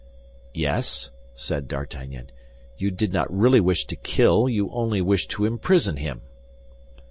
"Yes," said D'Artagnan, "you did not really wish to kill; you only wished to imprison him."